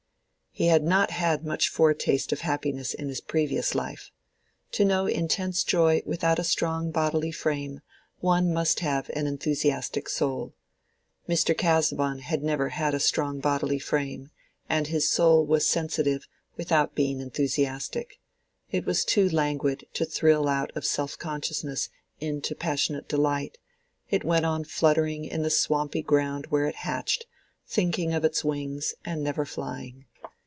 He had not had much foretaste of happiness in his previous life. To know intense joy without a strong bodily frame, one must have an enthusiastic soul. Mr. Casaubon had never had a strong bodily frame, and his soul was sensitive without being enthusiastic: it was too languid to thrill out of self consciousness into passionate delight; it went on fluttering in the swampy ground where it was hatched, thinking of its wings and never flying.